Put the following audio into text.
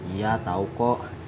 iya tau kok